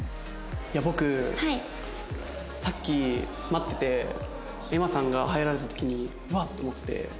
僕さっき待ってて瑛茉さんが入られた時にうわっ！と思って。